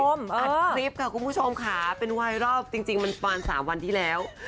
ตามคลิปกับคุณผู้ชมค่ะเป็นวัยรอบจริงมันป่าน๓วันที่แล้ว